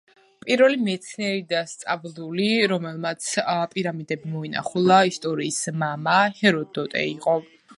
პირველი მეცნიერი და სწავლული, რომელმაც პირამიდები მოინახულა, ისტორიის მამა, ჰეროდოტე იყო.